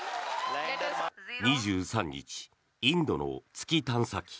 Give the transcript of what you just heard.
２３日、インドの月探査機